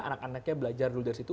anak anaknya belajar dulu dari situ